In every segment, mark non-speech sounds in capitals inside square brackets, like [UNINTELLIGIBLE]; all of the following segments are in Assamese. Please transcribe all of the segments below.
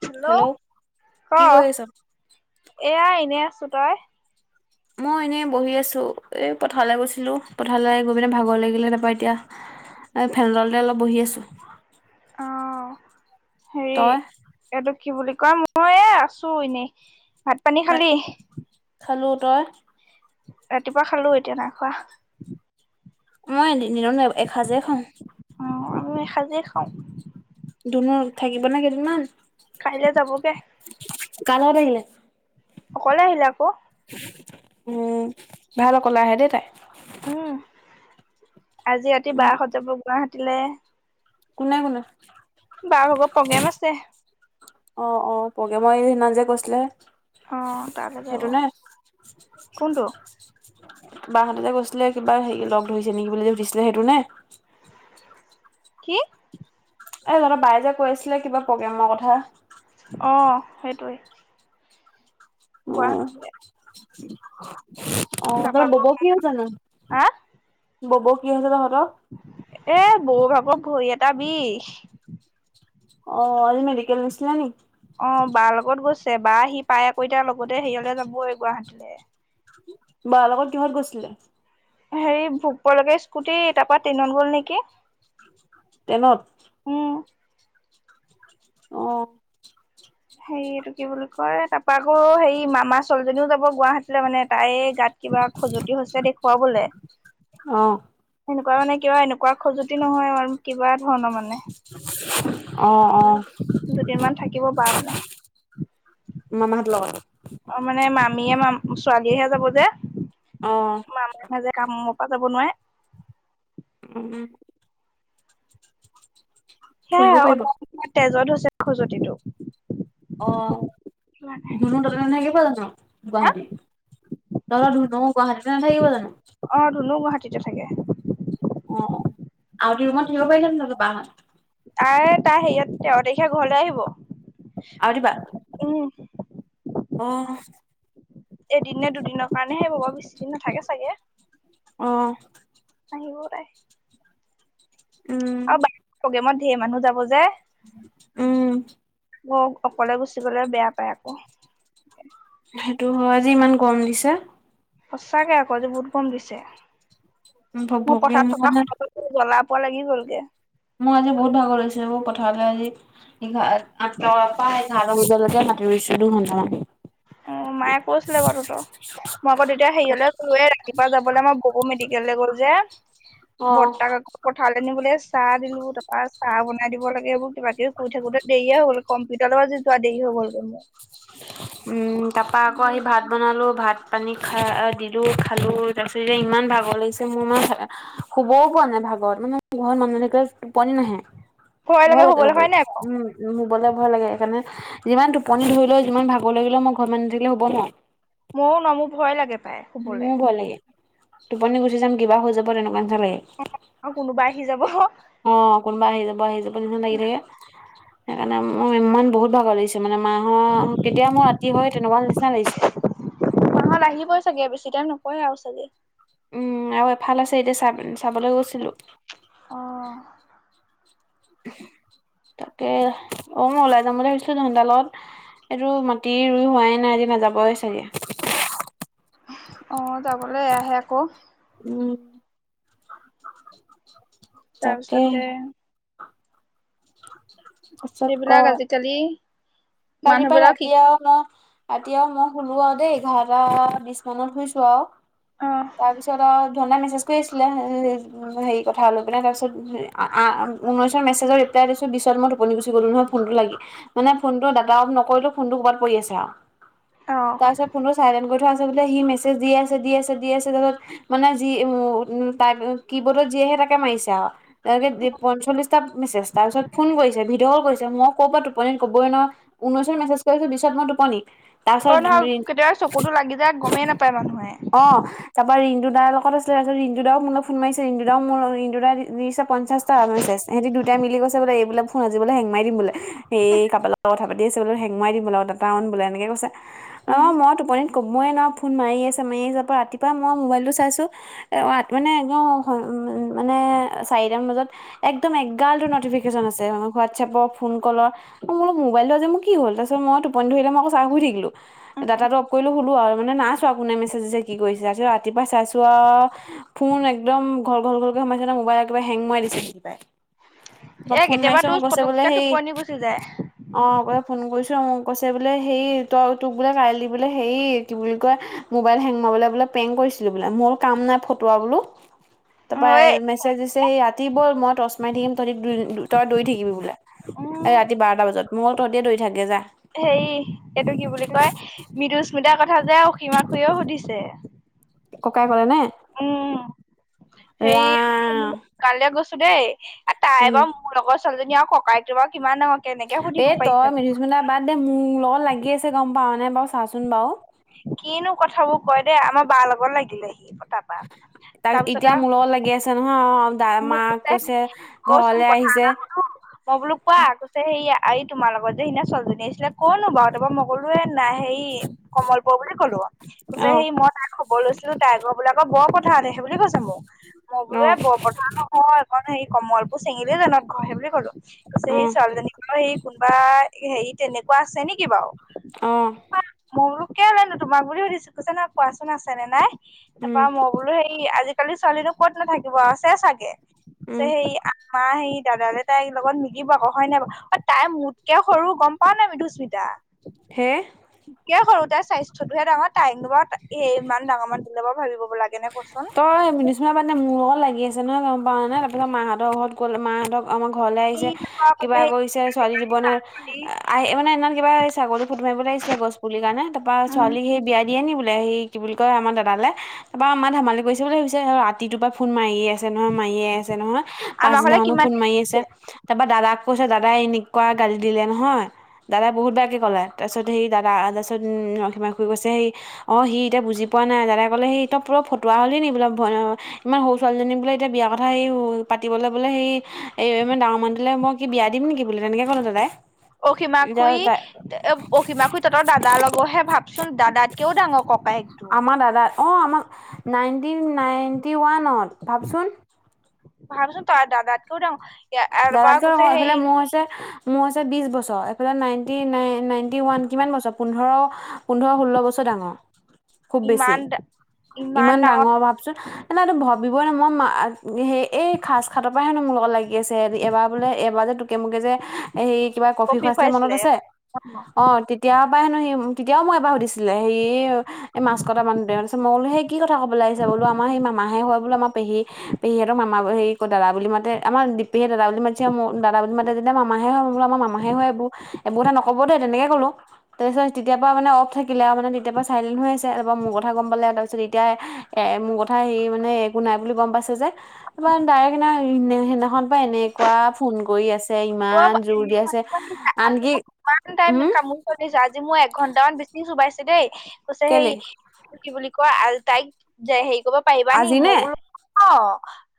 হেল্ল', কি ক' কৰি আছ? এয়া এনে আছো, তই? মই এনেই বহি আছো, এই পথাৰলৈ গৈছিলো। পথাৰলে গৈ পিনে ভাগৰ লাগিলে, তাৰাপা এতিয়া এই [UNINTELLIGIBLE] অলপ বহি আছোঁ। অ হেৰি তই? এইটো কি বুলি কয়, মই এ আছো এনেই। ভাত পানী খালি? খালো, তই? ৰাতিপুৱা খালো, এতিয়া নাই খোৱা। মই দিনত নহ এসাজেই খাওঁ। অ', আমি এসাজে খাওঁ। দুন থাকিব নে কেইদিনমান? কাইলৈ যাবগে। কাৰ লগত আহিলে? অকলে আহিলে আকৌ। উম, ভাল অকলে আহে দেই তাই। উম, আজি ৰাতি উম বাৰ সত যাব গুৱাহাটীলে। কোনে কোনে? বাৰ [UNINTELLIGIBLE] প্ৰগ্ৰেম আছে। অ', অ', প্ৰগ্ৰেম [UNINTELLIGIBLE] যে কৈছিলে। অ', তালে যাব। কোনটো? বাহ হতে গৈছিলে কিবা হেৰি লগ ধৰিছে নেকি বুলি সুঠিছিলে সেইটো নে? কি? এই [UNINTELLIGIBLE] বাইয়ে যে কৈ আছিলে কিবা প্ৰগ্ৰেমৰ কথা। অ', সেইটোৱে। উম। অ', গুৱাহাটীলে [UNINTELLIGIBLE] কি হৈছে তাৰপা আকৌ হা [UNINTELLIGIBLE] ববৌ কি হৈছে তহঁতৰ? এ বৌ [UNINTELLIGIBLE] ভৰি এটা বিষ। অ', আজি মেডিকেল নিচিলে নি? অ', বা লগত গৈছে, বা আহি পাই আকৌ এতিয়া লগতে হেৰিয়লে যাবই গুৱাহাটীলে। বাৰ লগত কিহত গৈছিলে? হেৰি ভোকপুৰলৈকে স্কুটি, তাৰপা ট্ৰেনত গ'ল নেকি? ট্ৰনত? উম। অ'। হেৰি এইটো কি বুলি কয়, তাৰাপা আকৌ হেৰি মামা ছোৱালীজনীও যাব গুৱাহাটীলে মানে তাই গাত কিবা খজুতি হৈছে, দেখুৱাবলে। অ'। সেনেকুৱা মানে কিবা, এনেকুৱা খজুতি নহয় কিবা ধৰণৰ মানে অ', অ'। দুদিন মান থাকিব বা মানে। মামা হতৰ লগত? অ', মানে মামীয়ে মা ছোৱালীহে যাব যে। অ মামাৰ মাজে কামৰ পৰা যাব নোৱাৰে। উম। ফুৰিব পাৰিব সেয়াই তেজত হৈছে খজুতিটো। অ', সেইটো কাৰণে ধোনু [UNINTELLIGIBLE] যানো হা গুৱাহাটীত? তহতঁৰ ধুনু গুৱাহাটিত এ নাথাকিব জানো? অ', ধুনু গুৱাহাটীত থাকে। অ', আৰুতি ৰুমত থাকিব পাৰিলে [UNINTELLIGIBLE] বাহত। তাই-তাই হেৰিয়াত, তেৰ তাৰিখে ঘৰলে আহিব। [UNINTELLIGIBLE] উম। অ'। এদিন নে দুদিনৰ কাৰণেহে ৰ'ব, বেছিদিন নাথাকে চাগে। অ'। আহিব পাই। উম। বাকী প্ৰগ্ৰেমত ঢেৰ মানুহ যাব যে। উম। অ', অকলে গুচি গলে বেয়া পায় আকৌ। সেইটো হয়, আজি ইমান গৰম দিছে। সঁচাকে আকৌ, আজি বহুত গৰম দিছে! ভক মোৰ ভকীয়া পথাৰত থকা মানে সময়তোত জ্বলা-পোৰা লাগি গ'ল গে। মোৰ আজি, বহুত ভাগৰ লাগিছে, অ'! পথাৰলে আজি, আ [UNINTELLIGIBLE] প্ৰায়, এঘাৰ বজালৈকে মাটি ৰোইছোঁ, দুঘণ্টামান। অ'! মায়ে কৈছিলে বাৰু তহঁত। মই আকৌ, তেতিয়া হেৰিয়লৈ গৈয়ে, ৰাতিপুৱা যাবলৈ, আমাৰ বৌৱে মেডিকেললৈ গ'ল যে। অ'। বৰ্তাক আকৌ, পথাৰলে নিবলে, চাহ দিলোঁ। তাৰপা, চাহ বনাই দিব লাগে, এইবোৰ কিবা-কিবি কৰি থাকোঁতে দেৰিয়ে হ'ল। কম্পিউটাৰলৈ, আজি যোৱা দেৰি হৈ গ'ল, গৈ মোৰ। উম! তাৰাপা আকৌ, আহি ভাত বনালোঁ, ভাত পানী খাই, দিলোঁ, খালোঁ। তাৰপিছত, এতিয়া ইমান ভাগৰ লাগিছে! মোৰ ইমান শুবও পোৱা নাই, ভাগৰত। মানে, ঘৰ মানুহজনে কয়, টোপনি নাহে। ভয় লাগে শুবলৈ হয় শুবলে। নাই বাৰু উম! শুবলৈ ভয় লাগে! সেইকাৰণে, যিমান টোপনি ধৰি লেও, যিমান ভাগৰ লাগিলেও, মই ঘৰত মানুহ নাথাকিলে, শুব নোৱাৰোঁ। মইয়ো নোৱাৰোঁ, মোৰ ভয় লাগে, পায়! মোৰো ভয় লাগে! টোপনি গুচি যাম, কিবা হৈ যাব, তেনেকুৱা নিচিনা লাগে। আৰু কোনোবা আহি যাব! অ'! কোনোবা আহি যাব, আহি যাব নিচিনা লাগি থাকে। সেইকাৰণে, মই ইমান, বহুত ভাগৰ লাগিছে! মানে, মাহঁত? কেতিয়া মোৰ ৰাতি হয়, তেনেকুৱা নিচিনা লাগিছে! মাহঁত আহিবই চাগে, বেছি টাইম নকৰে আৰু চাগে। উম! আৰু এফাল আছে, এতিয়া চাব, চাবলৈ গৈছিলোঁ। অ তাকে, অ'! মই ওলাই যাম বুলি ভাবিছিলোঁ, দেখোন তাৰ লগত। এইটো, মাটি ৰোই হোৱাই নাই, আজি নাযাবই চাগে। অ'! যাবলৈ আহে, আকৌ। উম! [UNINTELLIGIBLE] তাৰ পিছতে, পাছত এইবিলাক, আজিকালি কালি মানুহ পৰা বিলাক ৰাতি শিক আৰু ৰাতি আৰু মই শুলোঁ আৰু দেই। এঘাৰটা বিশ মানত শুনিছোঁ আৰু। অ তাৰ পিছত আৰু ঝৰ্ণাই মেছেজ কৰি আছিলে, [UNINTELLIGIBLE] হেৰি কথা লৈ পিলে। তাৰপিছত, আঁ ঊনৈছত মেছেজৰ ৰিপ্লাই দিছোঁ, বিশত মই টোপনিত গুচি গলোঁ, নহয়। ফোনটো লাগি, মানে, ফোনটো ডাটা অফ নকৰিলোঁ, ফোনটো ক'ৰবাত পৰি আছে আও। অ তাৰপাছত, ফোনটো চাইলেণ্ট কৰি থোৱা আছে, বোলে। সি মেছেজ দি আছে, দি আছে, দি আছে। তাৰপিছত, মানে, যি [UNINTELLIGIBLE] টাই, কি বোৰ্ডত যি আহে, তাকে মাৰিছে আৰু। তেঁওলোকে পঞ্চল্লিশটা মেছেজ। তাৰপিছত, ফোন কৰিছে, ভিডিঅ ক'ল কৰিছে। মই ক'ৰ পৰা, টোপনিত ক'বই নোৱাৰোঁ। ঊনৈছত মেছেজ কৰিছোঁ, বিশত মই টোপনি। অ তাৰপিছত, নহয় কেতিয়াবা চকুতো লাগি যায় গমেই [UNINTELLIGIBLE] নাপায় মানুহে অ'! তাৰপৰা, ৰিণ্টু দাৰ লগত আছিল, তাৰপিছত, ৰিণ্টু দাও মোক ফোন মাৰিছে, ৰিণ্টু দায়ো দিছে, পঞ্চাশটা পঞ্চাছটা মেছেজ। এহঁতি দুটাই মিলি কৈছে বোলে, এইবোলে ফোন আজিবোলে, হেং মাৰি দিম, বোলে, সেই কাৰবা লগত কথা পাতি আছে বোলে। হেং মৰাই দিম বোলে, ডাটা অন বোলে, এনেকে কৈছে। উম অ'! মই টোপনিত ক'বই নোৱাৰোঁ। ফোন মাৰি আছে, মাৰি আছে, পৰা ৰাতিপুৱা মই, মোবাইলটো চাইছোঁ। [UNINTELLIGIBLE] মানে, [UNINTELLIGIBLE] মানে, চাৰিটামান বজাত একদম, এগাল নটিফিকেশ্চন আছে, হোৱাটছএপৰ, ফোন ক'লৰ। [UNINTELLIGIBLE] মোবাইলটো আজি মোৰ কি হ'ল? তাৰপিছত, মই টোপনি ধৰিলে, মই কৈছোঁ থাকিলোঁ। উম ডাটাটো অফ কৰিলোঁ আৰু শুলোঁ আৰু। মানে, [UNINTELLIGIBLE] চোৱা কোনে মেছেজ দিছে, কি কৰিছে! আজি ৰাতিপুৱা চাইছোঁ আও। ফোন একদম, ঘল-ঘল ঘলকে, সোমাইছে নহয়, মোবাইল একেবাৰে হেং মৰাই দিছে, একেবাৰে। এ মই ফোন কেতিয়াবা মাৰিছোঁ। তোৰ অ'! কৈছে পটককে বোলে, সেই [UNINTELLIGIBLE] যায়। অ'! ক'লে, ফোন কৰিছোঁ। মোক কৈছে বোলে, সেই তই, তোক বোলে কাইলৈ, বোলে সেই, কি বুলি কয়! মোবাইল হেং মৰাবলৈ বোলে, প্ৰেংক কৰিছিলোঁ, বোলে। মই বোলোঁ, কাম নাই, ফটোৱা বোলোঁ! অ তাৰপৰা, এ, এই মেছেজ দিছে, সেই ৰাতি ব'ল, মই টৰ্চ মাৰি থাকিম। তহঁতি [UNINTELLIGIBLE] দৌৰি থাকিবি বোলে। এ ৰাতি বাৰটা বজাত। মই বোলো তহঁতিয়ে দৌৰি থাকগে যা হেই এটো কি বুলি কয়? মৃদুস্মিতাৰ কথা যে অসীমা খুইও সুধিছে। ককাই ক'লেনে? উম, হেই ৰাম কাইলে গৈছো দেই এ তাই উম বাৰু মোৰ লগৰ ছোৱালীজনী আৰু ককায়েকটো বাৰু কিমান ডাঙৰ কেনেকে এ সুধিব তই পাৰিছে মৃদুস্মতা বাদ দে মোৰ লগত লাগি আছে গম পাৱ নাই বাউ চাচোন বাউ। কিনো কথাবোৰ কয় দে আমাৰ বাৰ লগত লাগিলে সি কতা তাৰ এতিয়া মু লগত লাগি আছে নহ দা আৰু মোক মাক কৈছে ৰচোন ঘৰলে কথা এটা আহিছে। সুধো মই বোলো কোৱা কৈছে সৈয়া আই তোমাৰ লগত যে সিদিনা ছোৱালীজনী আছিলে ক'নো বাৰু তাপা মই কলো এ নাই হেই ই কমলপুও বুলি কলো যে অ সেই মই তাৰ খব বৰ লৈছিলো তাই গৰ বুলে আকৌ বৰপথা তেহে বুলি কৈছে মোক মই বুলু অ এ বৰপ হোৱা আক হয় ঘৰটো সেই কমলপুউ চিঙেলিজানত ঘৰ সে বুলি কলো পিছে অ সেই ছোৱালীজনীক সেই কোনোবা এ হেৰি তেনেকুৱা আছে নেকি বাউ? অ উআ মই বুলু কেলে নো তোমাক বুলি সুধিছো, কৈছে, নাই কোৱাচোন আছে নে নাই? তাপা উম মই বোলো হেৰি আজিকালি ছোৱালী ক'ত নাথাকিব আছে চাগে। কৈছে উম সেই আমা সেই দাদালে তাই লগত মিলিব আক হয় নে বাউ অ তাই মুতকে সৰু গম পাওঁ নাই মিধুস্মিতা। হে কে সৰু তাই স্বাস্থ্যতটোহে ডাঙৰ তাইকনো বা এ ইমান ডাঙৰ মানুহটোৰ লগত ভাবিব গে লা তই মিনুস্মিনা মানে মোৰ লগত লাগি আছে ন গম পাও নে তাৰপিছত মা হঁতৰ ঘৰত কল মা হঁতৰ আমাৰ ঘৰলে কি আহিছে কিবা কৰিছে ছোৱালী দিব নাই। আই এ মানে সেইদনাখন কিবা ছাগলী ফটু মাৰিবলে আইছিলে গছ পুলিৰ কাৰণে তাপা উম ছোৱালী সেই বিয়া দিয়ে নি বুলে সেই কি বুলি কয় আমাৰ দাদা লে। তাপা আমা ধেমালি কৰিছে বুলি ভাবিছে আতিটোৰ পৰা ফোন মাৰিয়ে আছে নহয় মাৰিয়ে আছে নহয়। আমাৰ ঘৰলে পাছদিনাখনো কিমান ফোন মাৰি আছে তাপা দাদাক কৈছে দাদাই এনেকুৱা গালি দিলে নহয়। দাদাই বহুত বেয়াকে ক'লে তাছত সেই দাদা আ তাছত উম অসীমা খুই কৈছে সেই অ সি ইতিয়া বুজি পোৱা নাই দাদা কলে সি ত প্ৰ ফটুৱা হলি নি বোলে ভৈনেও ইমান সউ ছোৱালীজনী বোলে এতিয়া বিয়া কথা সেই উ পাতিবলে বুলে সেই এই ইমান ডাঙৰ মানুটোলে মই কি বিয়া দিম নেকি বুলে তেনেকে ক'লে দাদায়। অসীমা খুই এব অসীমা খুই তাতৰ দাদাৰ লগৰহে ভাবচোন দাদাতকেও ডাঙৰ ক আমা দাদাৰ অ আমা নাইনটিন নাইনটি ওৱানত ভাবচোন। ভাবচোন তই দাদাতকেও ডাঙ দাদাতকেও ডাঙ এইফালে মোৰ হৈছে মোৰ হৈছে বিছ বছৰ এইফালে নাইণ্টি নাইন নাইণ্টি ওৱান কিমান বছৰ পোন্ধৰ পোন্ধৰ ষোল্ল বছৰ ডাঙ। খুব বেছি ইমান ইমান ডাঙৰ ভাবচোন। নাই এইটো ভাবিবই ন মই মা সে এই খাচখাতৰ পৰাই হেনো মোৰ লগত লাগি ই আছে এবাৰ বোলে এবাৰ যে তোকে মোকে যে হেই কিবা কফি খুৱাইছিলে মনত আছে, অ তি তিয়াৰ পা হেনো সি তেতিয়াও মু এবা সুধিছিলে হেই এই মাছ কটা মানু দে তাছত ম কলো হেই কি কথা কবলে আহিছা বুলু আমা সেই মামাহে হয় বুলু আমা পেহী পেহী হেতৰ মামা হেৰি ক দাদা বুলি মাতে আমাৰ দিপ পেহীয়ে দাদা বুলি মাইতছে আও ম দাদা বুলি মাতে যে মামাহে হব আমা মামাহে হ'য় এইবোৰ, এইবোৰ এথা নকব দেই তেনেকে ক'লো। তাৰছ তেতিয়া পআ মানে অফ থাকিলে আউ মানে তেতিয়া পআ চাইলেণ্ট হৈ আছে এপআ মোৰ কথা গম পালে তাৰপিছত এতিয়া এ মোৰ কথা হে মানে একো নাই বুলি গম পাইছে যে। ডাইৰেক্ট সিদিনা সেইদিনাখন পা এনেকুৱা ফোন কৰি আছ। অ ইমান জোৰ দিয়া আছে আনকি উম। সিহঁতি যে আজি মোক এঘন্টামান বেছি চোবাইছে দেই পিছে সেই কেলে কি বুলি কয়, তাইক হেৰি কৰিব পাৰিবা নি আজি নে মই বোলো অ',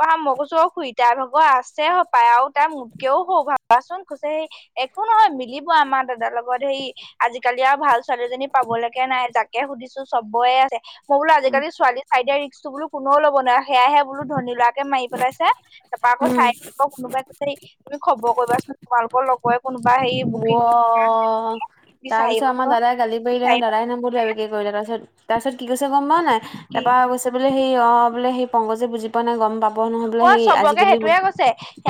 [UNINTELLIGIBLE] মোতকেও ভাবাচোন কুছে হেই, একো নহয় মিলিব আমাৰ দাদাৰ লগত হেই আজিকালি আৰু ভাল ছোৱালীজনী পাবলৈকে নাই, যাকে সুধিছো চবৰে আছে। মই বোলো উম আজিকালি ছোৱালী চাই দিয়া ৰিক্সটো কোনেও ল'ব নোৱাৰে, সেয়াইহে বোলো ধনী লৰাকে মাৰি পেলাইছে। তাৰপা আকৌ উম চাই থাকিবা, কোনোবাই তুমি খবৰ কৰিবাচোন তোমালোকৰ লগৰে কোনোবাই [UNINTELLIGIBLE] তাৰপিছত আমাৰ বিচাৰিবাচোন দাদাই গালি [UNINTELLIGIBLE] বিচাৰিবা দাদাই নাম্বৰটো [UNINTELLIGIBLE] কৰিলে তাৰ পিছত তাৰ পিছত কি কৈ গম পা নাই কি তাৰপা বোলে সেই অ', বোলে সেই পংগজে বুজি পোৱা নাই গম পা অ', চবকে সেইটোৱে কৈছে,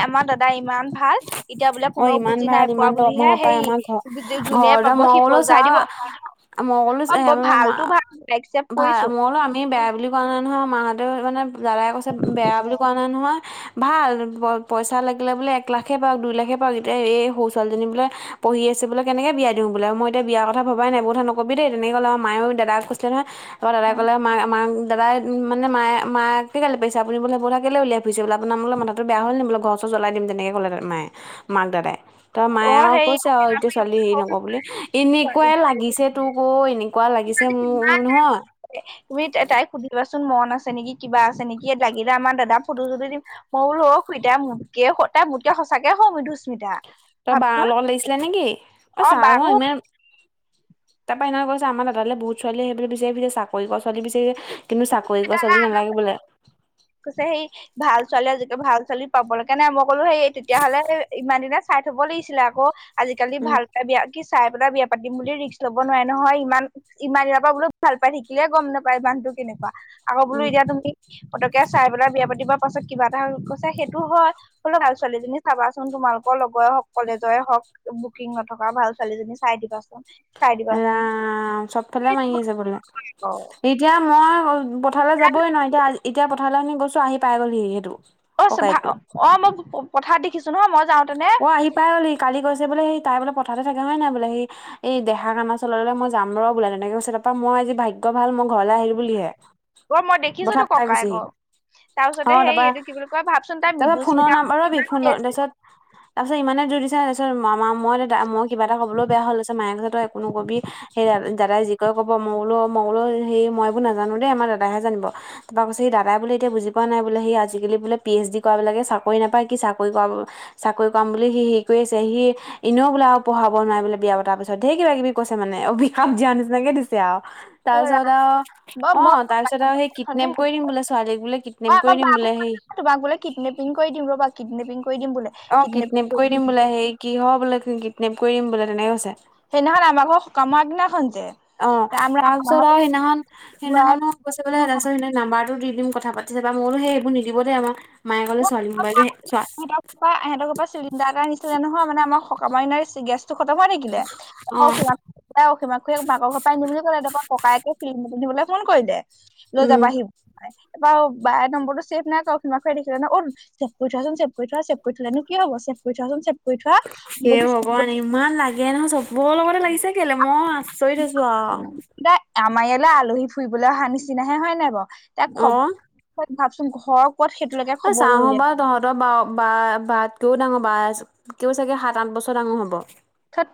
আমাৰ দাদ দাই ইমান ভাল, এতিয়া বোলে অ কোনেও ইমান বুজি ভাল নাই ইমান পোৱা বুলিহে দৰমহা পাই হেৰি আমাৰ ঘৰ ঘৰতে মই বালো চাহ মই ক'লো, অ বৰ মা ভালতো ভাল একচেপ্ট ভা কৰিছো মই বোলো আমি বেয়া বুলি কোৱা নাই নহয় মাহঁতেও, মানে দাদাই কৈছে বেয়া বুলি কোৱা নাই নহয়। ভাল, প-পইচা লাগিলে বোলে এক লাখে পাওক, দুই লাখে পাওক, এতিয়া এই সৰু ছোৱালী বোলে পঢ়ি আছে বোলে কেনেকে বিয়া দিওঁ বোলে। মই এতিয়া বিয়াৰ কথা ভবাই নাই, এইবোৰ কথা নকবি তেনেকে ক'লে আৰু মায়ে দাদাক কৈছিলে নহয় তাৰপৰা দাদাই ক'লে মাক-মাক দাদাই মানে মা-মাকে গে পাইছে [UNINTELLIGIBLE] বোলে বোহ কেলৈ উলাইৰিছেলে আোনাৰো মথাটো বয়া হ'লে বোলে ঘৰ জ্বাই দি তেনেকে ক'লে মায়ে, মাক দাদাই ত' অ মায়ে আৰু সেই কৈছে আৰু এতিয়া ছোৱালী হেৰি নকৰো বুলি এনেকুৱাই লাগিছে তোক, এনে কোৱা লাগিছে, মোৰ নহয়। তুমি তাইক সুধিবাচোন মন আছে নেকি, কিবা আছে নেকি। ইয়াত লাগিলে, আমাৰ দাদা ফটো চটো দিম। মই বোলো [UNINTELLIGIBLE] মোতকে তাই মোতকে সঁচাকে সৰু মিধুস্মিতা। তই বা লগত লাগিছিলে নেকি, অ' চাহ ম ইমান তাৰপা এনেকে কৈছে আমাৰ দাদালে বহুত ছোৱালী আহিবলৈ বিচাৰি ফুৰিছে, চাকৰি কৰা ছোৱালী বিচাৰিছে কিন্তু, চাকৰি কৰা ছোৱালী নালাগে বোলে। কৈছে সেই ভাল ছোৱালী আজিকে ভাল ছোৱালী পাবলৈকে নাই, মই ক'লো সেই তেতিয়াহ'লে ইমান দিনে চাই থব লাগিছিলে আকৌ। আজিকালি উম ভালকে বিয়া, কি চাই পেলাই বিয়া পাতিম বুলি ৰিক্স ল'ব নোৱাৰি নহয় ইমান ইমান দিনৰ পৰা বোলো ভাল পাই থাকিলে গম নাপায় মানহতো কেনেকুৱা, আকৌ বোলো উম, এতিয়া তুমি পতকে চাই পেলাই বিয়া পাতিব পাছত কিবা এটা গৈছে, সেইটোও হয়। হলেও ভাল ছোৱালী জনী চাবাচোন তোমালোকৰ লগৰে হওক, কলেজৰে হওক। বুকিং নথকা, ভাল ছোৱালীজনী চাই দিবাচোন। চাই দিবাচোন ৰাম, চবফালে [UNINTELLIGIBLE] অ আছে এতিয়া মই অল পথাৰলৈ যাবই নোৱাৰি, এতিয়া আজ, এতিয়া পথাৰলৈ আমি গৈছোঁ, আহি পাইগ'লোহি সি সেইটো। অ', চ' ভা, ককায়েকটো অ', অ', মই প-পথাৰত দেখিছোঁ নহ, মই যাওঁতে নে? পাইগ'লহি কালি কৈছে বোলে, সি তাই বোলে পথাৰতে থাকে হয় নাই বোলে সি, এই- 'দেহা আনাৰ চলেৰে মই যাম ৰহ' বোলে, তেনেকে কৈছিলে। তাৰপা মই আজি ভাগ্য ভাল, মই ঘৰলৈ আহিলোঁ বুলিহে। অ', মই দেখিছোঁতো পথাৰ পাই গৈছেহি ককায়েকক। অ তাৰপিছতে সেই তাৰপা এইটো কি বুলি কয়, ভাবচোন তাই তাৰপা ফোনৰ মৃদুস্মিতাহ নাম্বাৰ ৰবি ফোনৰ [UNINTELLIGIBLE] তাৰপিছত [UNINTELLIGIBLE] তাৰপিছত ইমানে যোৰ দিছে তাৰপিছত মামা, মই, দেউতা, মই কিবা এটা কিবা ক'বলৈ বেয়া হ'ল তাৰপিছত মায়ে কৈছে তই একো নকবি সেই‌ আৰ দাদাই যি কয় ক'ব মই বোলোঁ, মই বোলোঁ, সৈ মই একো নাজানোঁ দেই, আমাৰ দাদাহে জানিব। তাৰপিছে দাদাই বোলে এতিয়া বুজি পোৱা নাই বোলে, সি আজিকালি বোলে পি এইচ ডি কৰা বিলাকে চাকৰি নাপায়, কি চাকৰি কৰাব চাকৰি কৰাম বুলি সি হেৰি কৰি আছে, সি এনেও বোলে আৰু পঢ়াব নাই বোলে বিয়া পতা পিছ ছ' ধেৰ কিবা-কিবি কৈছে মানে, অভিষাপ দিয়া নিচিনাকে দিছে আৰু। তাৰপিছত আৰু- অ', তাৰ পিছত আৰু সেই, 'কিডনেপ কৰি নিম', বোলে ছোৱালীক, বোলে 'কিডনেপ কৰি দিম', বোলে সেই তোমাক বোলে কিডনেপিং কৰি দিম, ৰবা কিডনেপিং কৰি দিম বোলে। অ', কিডনেপ কৰি দিম বোলে, হেই কি হ বোলে 'কিডনেপ কৰি দিম' বোলে, তেনেকে কৈছে। সেইদিনাখন আমাকো অ', আমাৰ তাৰপিছত আৰু সেইদিনাখন, সেইদিনাখনো কৈছে বোলে, তাৰপিছত সেইদিনা নাম্বাৰতটো দি দিম, কথা পাতি চাবা। মই বোলোঁ, সেই এইবোৰ নিদিব দেই আমাৰ, মায়ে কল ছোৱালী ম'বাইলটো, চোৱা কয়, সিহঁতৰ ঘৰ পৰা চিলিণ্ডাৰ এটা নিছিলে নহয়, মানে আমাৰ সকামৰ দিনাই চি গেছ চ, খতম হৈ থাকিলে। [UNINTELLIGIBLE] অ তাৰ‌পা অসীমাখ মাকৰ ঘৰ পৰা আনিম বুলি ক'লে, তাৰ পৰা ককায়ে ফিল্ম [UNINTELLIGIBLE] পিন্ধিবলৈ ফোন কৰিলে। লৈ উম যাব আহি- এইবাৰ আৰু বা নম্বৰটো ছেভ নাই কৰা [UNINTELLIGIBLE] কৰি না‌ 'উম'। ছেভ কৰি থোৱা ছোন, ছেভ কৰি থোৱা। ছেভ কৰি থোলেনো কি হ'ব, ছেভ কৰি থোৱা ছোন, ছেভ কৰি সেই থোৱা। ভগৱান ইমান লাগে নহয়, চবৰেই লগতে লাগিছে কেলেই? মই আচৰিত হৈছোঁ আৰু। থ'লে, আমাৰ ইয়ালৈ আলহী ফুৰিবলৈ অহা নিচিনাহে, হয় নে‌ নাই বাৰু? তাক অ খবৰ, ভাবচোন ঘৰ ক'ত সেইটো লৈকে খবৰ লৈ দিয়ে। দ, বা বা, বাতকেও ডাঙৰ। বা, ছ, কেও চাগে সাত আঠ বছৰ ডাঙৰ হ'ব। ঠোট।